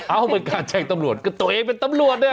ไม่กล้าแจ้งตำรวจก็ตัวเองเป็นตำรวจเนี่ย